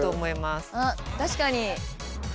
あっ確かに。